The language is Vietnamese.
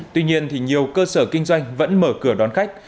tuy nhiên thì nhiều cơ sở kinh doanh vẫn mở cửa đón khách